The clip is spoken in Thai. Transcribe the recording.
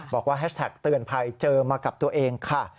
แฮชแท็กเตือนภัยเจอมากับตัวเองค่ะ